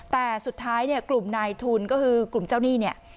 แต่สุดท้ายเนี่ยกลุ่มนายทุนก็คือกลุ่มเจ้าหนี้เนี่ย